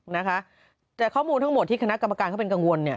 นะคะแต่ข้อมูลทั้งหมดที่คณะกรณการเข้ากลางวนเนี่ย